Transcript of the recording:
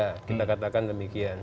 kita katakan demikian